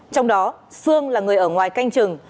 trong đó sương là người ở ngoài canh trừng